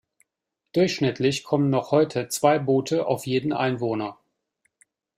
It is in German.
Durchschnittlich kommen noch heute zwei Boote auf jeden Einwohner.